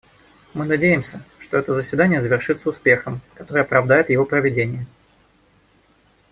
Мы надеемся, что это заседание завершится успехом, который оправдает его проведение.